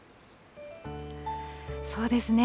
そうですね。